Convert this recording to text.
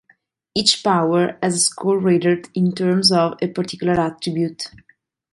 Each power has a score rated in terms of a particular attribute.